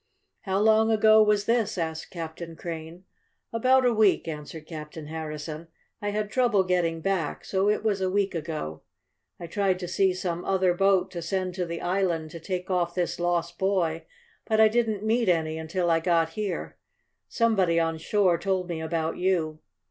"How long ago was this?" asked Captain Crane. "About a week," answered Captain Harrison. "I had trouble getting back, so it was a week ago. I tried to see some other boat to send to the island to take off this lost boy, but I didn't meet any until I got here. Somebody on shore told me about you.